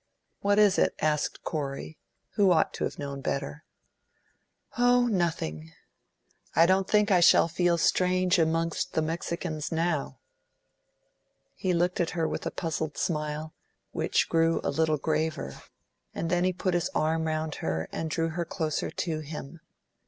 "What is it?" asked Corey, who ought to have known better. "Oh, nothing. I don't think I shall feel strange amongst the Mexicans now." He looked at her with a puzzled smile, which grew a little graver, and then he put his arm round her and drew her closer to him.